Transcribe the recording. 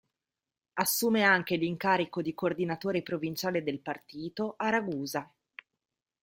Assume anche l'incarico di coordinatore provinciale del partito a Ragusa.